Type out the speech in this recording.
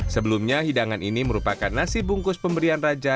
sebelumnya hidangan ini merupakan nasi bungkus pemberian raja